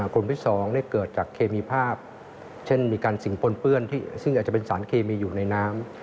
กลุ่มที่๒เกิดจากเคมีภาพเช่นมีการสิ่งปนเปื้อนซึ่งอาจจะเป็นสารเคมีอยู่ในน้ำ